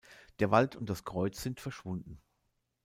Der Wald und das Kreuz sind verschwunden.